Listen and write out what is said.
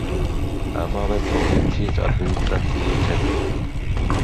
ამავე პროვინციის ადმინისტრაციული ცენტრი.